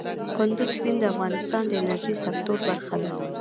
کندز سیند د افغانستان د انرژۍ سکتور برخه ده.